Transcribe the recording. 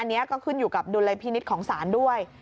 อันนี้ก็ขึ้นอยู่กับดุลยพินิษฐ์ของศาลด้วย